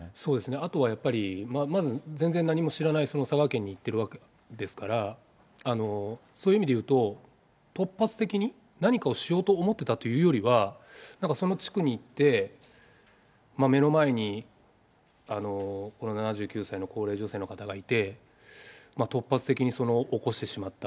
あとはやっぱり、まず全然何も知らない佐賀県に行ってるわけですから、そういう意味でいうと、突発的に何かをしようと思っていたというよりは、なんかその地区に行って、目の前にこの７９歳の高齢女性の方がいて、突発的に起こしてしまった。